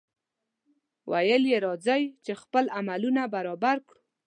ویل یې راځئ! چې خپل عملونه برابر کړو.